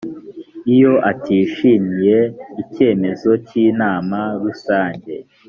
iyo atishimiye icyemezo cy inama rusange